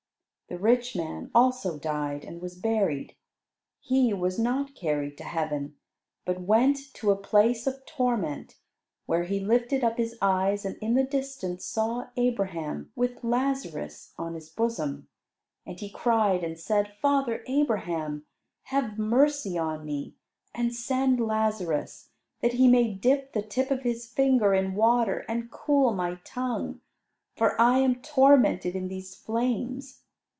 The rich man also died, and was buried. He was not carried to heaven, but went to a place of torment, where he lifted up his eyes, and in the distance saw Abraham with Lazarus on his bosom. And he cried and said, "Father Abraham, have mercy on me, and send Lazarus, that he may dip the tip of his finger in water, and cool my tongue; for I am tormented in these flames."